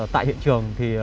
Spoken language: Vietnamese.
tại hiện trường thì